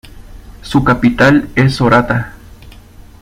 Su capital es Sorata.